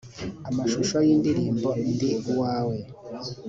amashusho y’indirimbo ‘Ndi Uwawe’